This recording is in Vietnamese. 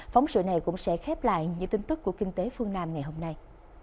phóng sự này cũng sẽ khép lại những tin tức của kinh tế phương nam ngày hôm nay